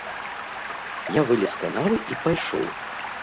Я вылез з канавы і пайшоў.